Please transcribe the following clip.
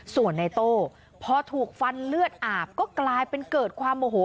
ส่วนในโต้พอถูกฟันเลือดอาบก็กลายเป็นเกิดความโมโห